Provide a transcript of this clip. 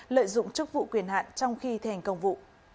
lợi dụng chức vụ quyền hạn trong khi thi hành công vụ